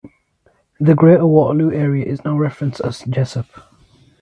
The greater Waterloo area is now referenced as Jessup.